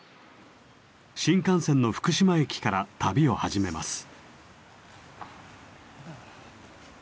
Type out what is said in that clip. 新幹線の福島駅から旅を始めます。